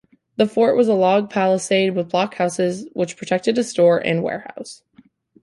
The fort was a log palisade with blockhouses which protected a store and warehouse.